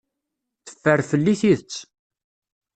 Teffer fell-i tidet.